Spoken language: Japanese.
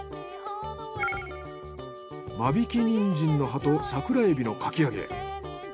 間引きニンジンの葉と桜エビのかき揚げ。